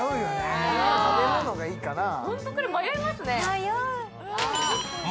食べ物がいいかなあ。